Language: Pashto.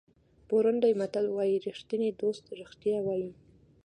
بورونډي متل وایي ریښتینی دوست رښتیا وایي.